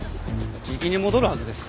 じきに戻るはずです。